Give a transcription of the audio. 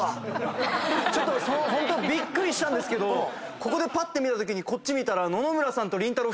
ホントびっくりしたんですがここでぱって見たときにこっち見たら野々村さんとりんたろー。